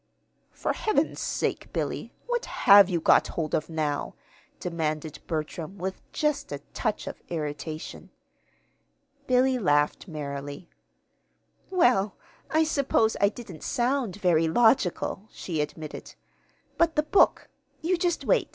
"For heaven's sake, Billy, what have you got hold of now?" demanded Bertram, with just a touch of irritation. Billy laughed merrily. "Well, I suppose I didn't sound very logical," she admitted. "But the book you just wait.